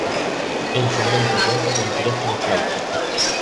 El convento cuenta con tres tres claustros.